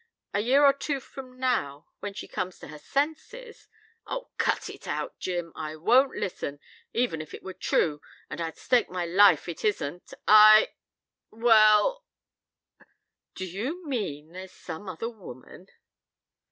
A year or two from now, when she comes to her senses " "Oh, cut it out, Jim! I won't listen. Even it were true and I'd stake my life it isn't I well " "D'you mean there's some other woman?"